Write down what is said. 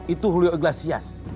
itu julio iglesias